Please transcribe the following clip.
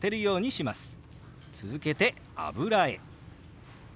続けて「油絵」。